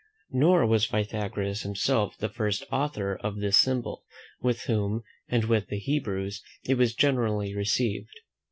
Nor was Pythagoras himself the first author of this symbol, with whom, and with the Hebrews, it was generally received.